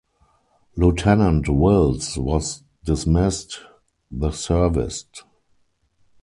Lieutenant Wills was dismissed the service.